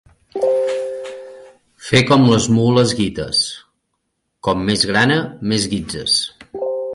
Fer com les mules guites: com més grana, més guitzes.